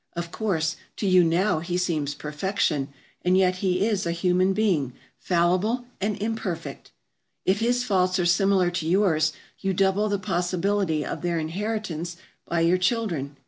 Of course, to you now he seems perfection, and yet he is a human being, fallible and imperfect. If his faults are similar to yours, you double the possibility of their inheritance by your children.